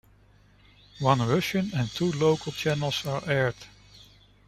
One Russian and two local channels are aired.